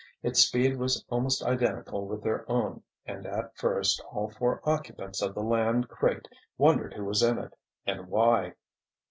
Its speed was almost identical with their own and at first all four occupants of the land crate wondered who was in it, and why.